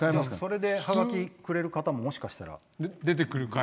それでハガキくれる方ももしかしたら。